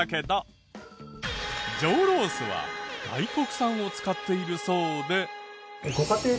上ロースは外国産を使っているそうで。